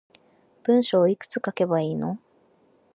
文章いくつ書けばいいの